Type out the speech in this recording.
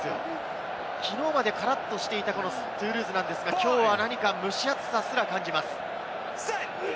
きのうまでカラっとしていたトゥールーズですが、きょうは何か蒸し暑さすら感じます。